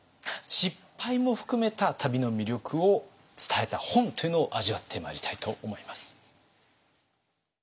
失敗も含めた旅の魅力を伝えた本というのを味わってまいりたいと思います。